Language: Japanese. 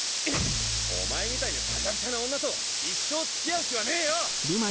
お前みたいな高飛車な女と一生付き合う気はねえよ！